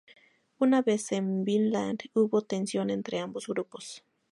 Una vez en Vinland, hubo tensión entre ambos grupos.